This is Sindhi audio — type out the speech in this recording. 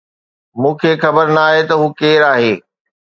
مون کي خبر ناهي ته هو ڪير آهي